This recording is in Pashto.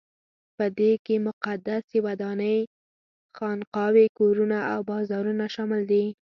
په دې کې مقدسې ودانۍ، خانقاوې، کورونه او بازارونه شامل دي.